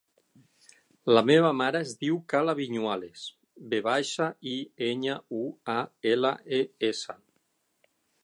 La meva mare es diu Kala Viñuales: ve baixa, i, enya, u, a, ela, e, essa.